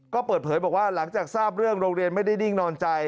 ก็เปิดเผยบอกว่าหลังจากทราบเรื่องโรงเรียนไม่ได้นิ่งนอนใจ